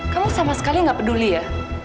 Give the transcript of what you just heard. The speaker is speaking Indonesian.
kamu sama sekali nggak peduli ya